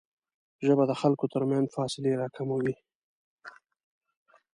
ژبه د خلکو ترمنځ فاصلې راکموي